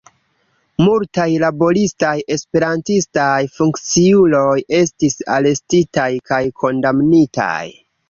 Multaj laboristaj Esperantistaj funkciuloj estis arestitaj kaj kondamnitaj.